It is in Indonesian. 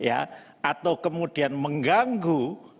atau kemudian mengganggu